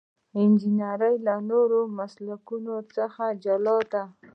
انجنیری له نورو مسلکونو څخه جلا ده.